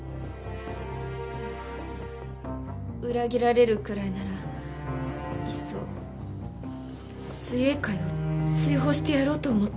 そう裏切られるくらいならいっそ水泳界を追放してやろうと思った。